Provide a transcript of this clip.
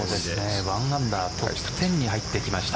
１アンダートップ１０に入ってきました。